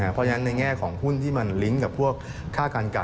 เพราะฉะนั้นในแง่ของหุ้นที่มันลิงก์กับพวกค่าการเก่า